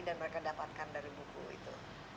dan mereka dapatkan dari buku itu